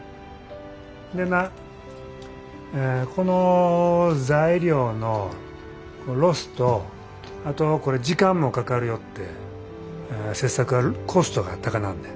でなこの材料のロスとあとこれ時間もかかるよって切削はコストが高なんねん。